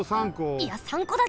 いや３こだけ！？